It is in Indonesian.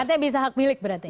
artinya bisa hak milik berarti